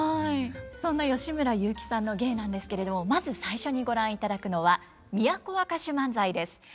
そんな吉村雄輝さんの芸なんですけれどもまず最初にご覧いただくのは「都若衆萬歳」です。